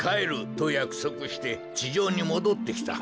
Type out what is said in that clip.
とやくそくしてちじょうにもどってきた。